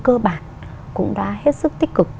cơ bản cũng đã hết sức tích cực